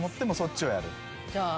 じゃあ。